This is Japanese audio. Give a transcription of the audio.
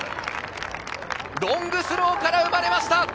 ロングスローから生まれました。